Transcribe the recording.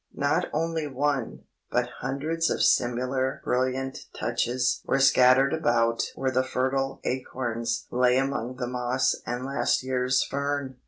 Not only one, but hundreds of similar brilliant touches were scattered about where the fertile acorns lay among the moss and last year's fern.